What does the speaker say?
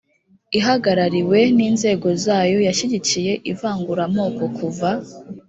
ihagarariwe n inzego zayo yashyigikiye ivanguramoko kuva